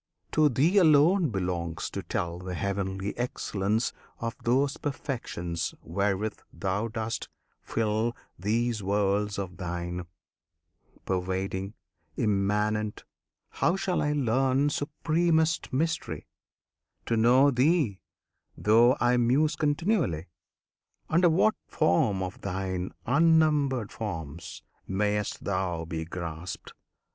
To Thee alone Belongs to tell the heavenly excellence Of those perfections wherewith Thou dost fill These worlds of Thine; Pervading, Immanent! How shall I learn, Supremest Mystery! To know Thee, though I muse continually? Under what form of Thine unnumbered forms Mayst Thou be grasped?